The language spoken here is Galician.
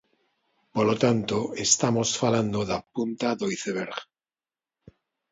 Polo tanto, estamos falando da punta do iceberg.